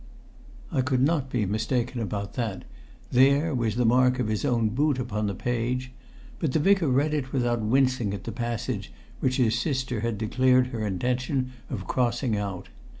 I could not be mistaken about that; there was the mark of his own boot upon the page; but the Vicar read it without wincing at the passage which his sister had declared her intention of crossing out.